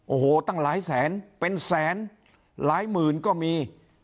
โอ้โหตั้งหลายแสนเป็นแสนหลายหมื่นก็มี